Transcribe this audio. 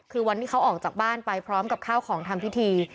คือวันที่เขาออกจากบ้านไปพร้อมกับข้าวของทำพิธี